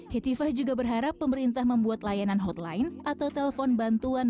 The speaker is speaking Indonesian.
hetifah juga berharap pemerintah membuat layanan hotline atau telepon bantuan